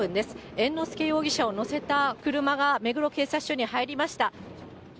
猿之助容疑者を乗せた車が目黒警察署に入りました。